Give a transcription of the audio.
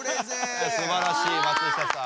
いやすばらしい松下さん。